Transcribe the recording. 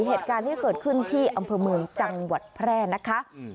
เหตุการณ์ที่เกิดขึ้นที่อำเภอเมืองจังหวัดแพร่นะคะ